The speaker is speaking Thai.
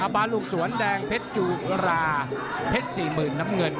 อบารุกสวนแดงเพชรจูกราเพชร๔๐๐๐๐บาทน้ำเงิน